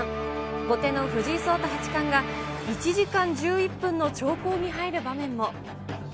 後手の藤井聡太が１時間１１分の長考に入る場面も。